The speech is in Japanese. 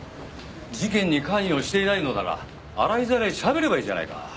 事件に関与していないのなら洗いざらいしゃべればいいじゃないか。